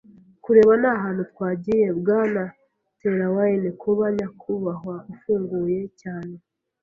kureba ni ahantu twagiye. Bwana Trelawney, kuba nyakubahwa ufunguye cyane,